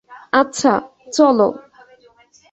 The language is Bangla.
আচ্ছা, চল।